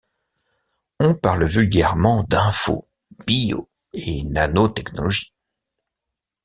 On parle vulgairement d'info-, bio- et nanotechnologies.